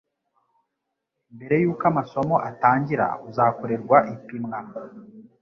mbere y uko amasomo atangira uzakorerwa ipimwa